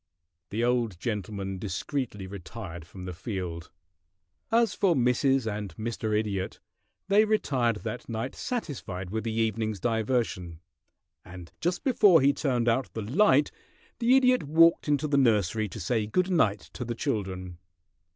The old gentleman discreetly retired from the field. As for Mrs. and Mr. Idiot, they retired that night satisfied with the evening's diversion, and just before he turned out the light the Idiot walked into the nursery to say good night to the children.